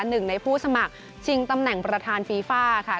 หนึ่งในผู้สมัครชิงตำแหน่งประธานฟีฟ่าค่ะ